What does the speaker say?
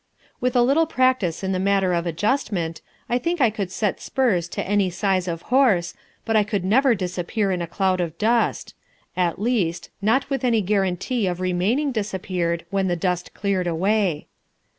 With a little practice in the matter of adjustment, I think I could set spurs to any size of horse, but I could never disappear in a cloud of dust at least, not with any guarantee of remaining disappeared when the dust cleared away.